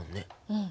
うん。